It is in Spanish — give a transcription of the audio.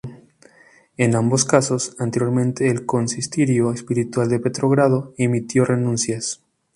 En ambos casos, anteriormente, el consistorio espiritual de Petrogrado emitió renuncias.